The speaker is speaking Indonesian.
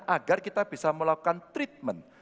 agar kita bisa melakukan treatment